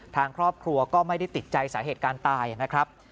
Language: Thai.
ทางครอบครัวก็ไม่ได้ติดใจสาเหตุการณ์ตายนะครับ